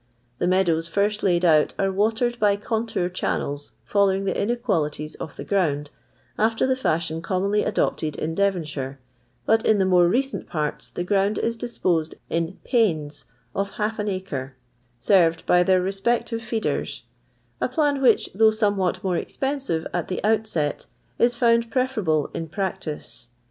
The meadows first laid out am watered by contcur channels following the inequalities of the grouui), after the fashion commonly adopted in DtrtiH' shire ; but in the more recent parts the ground is disposed in 'panes' of half an acre, serred br their respective feeders, a plan which, thocgh somewhat more expensive at the ontsct, is foind preferable in practice.